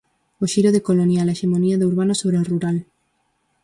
'O xiro decolonial: a hexemonía do urbano sobre o rural'.